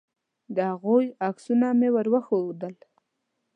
د هغوی عکسونه مې ور وښودل.